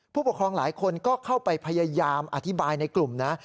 ผู้ปกครองหลายคนก็เข้าไปพยายามอธิบายในกลุ่มนะ